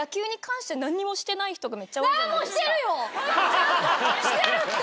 ちゃんとしてるって。